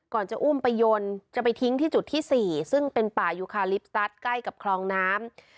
จะอุ้มไปยนต์จะไปทิ้งที่จุดที่๔ซึ่งเป็นป่ายูคาลิปสตัสใกล้กับคลองน้ำ